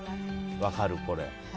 分かる、これ。